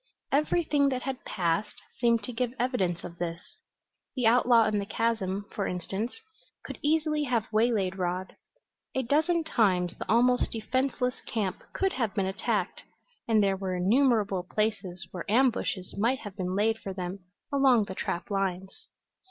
Everything that had passed seemed to give evidence of this. The outlaw in the chasm, for instance, could easily have waylaid Rod; a dozen times the almost defenseless camp could have been attacked, and there were innumerable places where ambushes might have been laid for them along the trap lines.